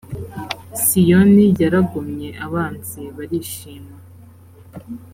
siyoni yaragomye abanzi barishima